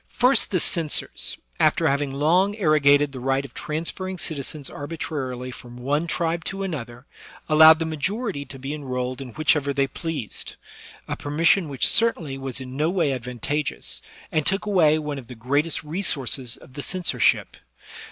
First, the censors, after having long arrogated the right of transferring citizens arbitrarily from one tribe to another, allowed the majority to be enrolled in whichever they pleased — a permission which certainly was in no way advantageous, and took away one of the great re sources of the censorship.